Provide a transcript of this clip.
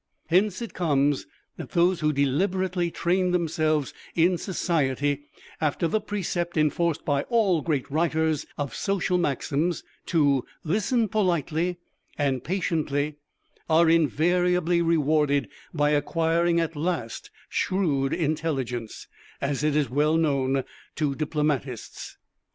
Hence it comes that those who deliberately train themselves in Society after the precept enforced by all great writers of social maxims to listen politely and patiently, are invariably rewarded by acquiring at last shrewd intelligence, as is well known to diplomatists.